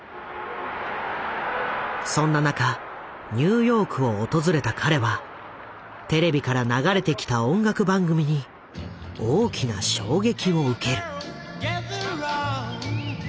そんな中ニューヨークを訪れた彼はテレビから流れてきた音楽番組に大きな衝撃を受ける。